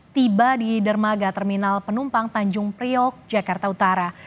tiba di dermaga terminal penumpang tanjung priok jakarta utara